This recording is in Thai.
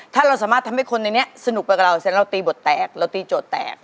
ถ้าเราสามารถทำให้คนในนี้สนุกไปกับเราเสร็จเราตีบทแตกเราตีโจทย์แตก